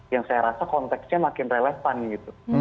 yang saya rasa konteksnya makin relevan gitu